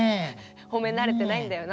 ほめ慣れてないんだよな